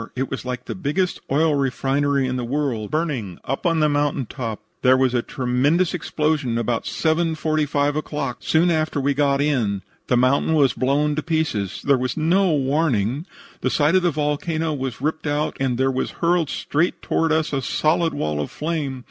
It was like the biggest oil refinery in the world burning up on the mountain top. There was a tremendous explosion about 7.45 o'clock, soon after we got in. The mountain was blown to pieces. There was no warning. The side of the volcano was ripped out, and there was hurled straight toward us a solid wall of flame.